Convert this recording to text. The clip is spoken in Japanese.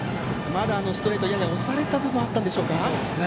まだストレートに押された部分があったでしょうか。